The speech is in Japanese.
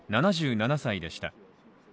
７７歳でした。